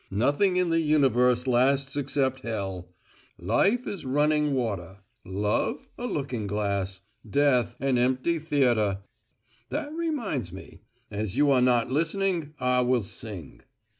Nothing in the universe lasts except Hell: Life is running water; Love, a looking glass; Death, an empty theatre! That reminds me: as you are not listening I will sing."